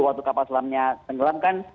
waktu kapal selamnya tenggelam kan